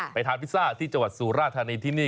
ทานพิซซ่าที่จังหวัดสุราธานีที่นี่